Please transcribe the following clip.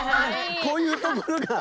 こういうところが。